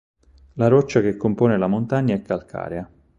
La roccia che compone la montagna è calcarea.